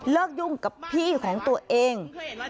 ยุ่งกับพี่ของตัวเอง